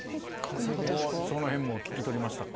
そのへんも聞き取れましたか？